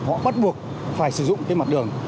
họ bắt buộc phải sử dụng cái mặt đường